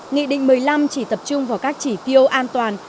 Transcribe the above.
nghị định một mươi năm chỉ tập trung vào các chỉ tiêu an toàn